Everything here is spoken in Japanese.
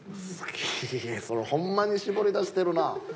ホンマに絞り出してるな。